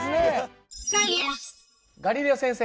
ガリレオ先生